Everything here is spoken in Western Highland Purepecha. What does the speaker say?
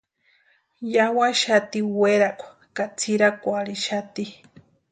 Yawaxati werhakwa ka tsʼirakwarhixati.